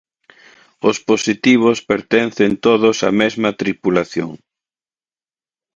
Os positivos pertencen todos á mesma tripulación.